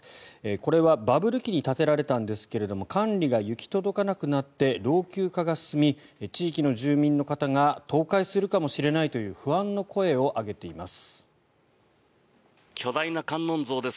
これはバブル期に建てられたんですが管理が行き届かなくなって老朽化が進み地域の住民の方が倒壊するかもしれないという不安の声を上げています。